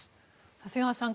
長谷川さん